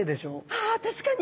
ああ確かに。